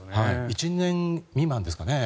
１年未満ですかね